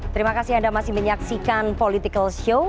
terima kasih anda masih menyaksikan political show